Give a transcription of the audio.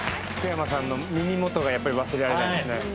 福山さんの耳元がやっぱり忘れられないですね。